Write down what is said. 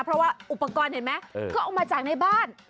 เพราะว่าอุปกรณ์เห็นไหมก็เอามาจากในบ้าน